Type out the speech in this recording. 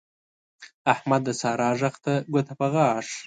احمد د سارا غږ ته ګوته په غاښ